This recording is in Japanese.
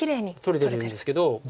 取れてるんですけど。